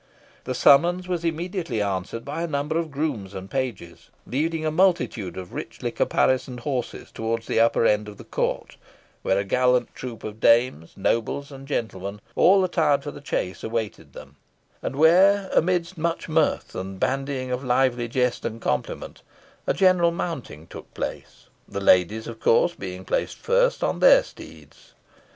The summons was immediately answered by a number of grooms and pages, leading a multitude of richly caparisoned horses towards the upper end of the court, where a gallant troop of dames, nobles, and gentlemen, all attired for the chase, awaited them; and where, amidst much mirth, and bandying of lively jest and compliment, a general mounting took place, the ladies, of course, being placed first on their steeds.